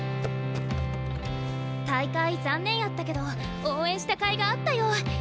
大会残念やったけど応援したかいがあったよ。